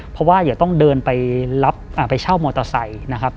เพราะว่าอย่าต้องเดินไปรับไปเช่ามอเตอร์ไซค์นะครับ